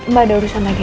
mbak ada urusan lagi